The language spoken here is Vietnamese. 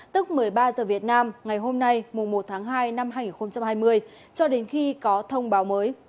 tức một mươi ba giờ việt nam ngày hôm nay mùa một tháng hai năm hai nghìn hai mươi cho đến khi có thông báo mới